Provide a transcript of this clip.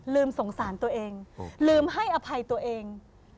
สงสารตัวเองลืมให้อภัยตัวเอง